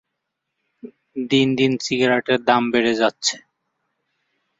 চুয়াডাঙ্গা জেলার খেলাধুলা ও বিনোদন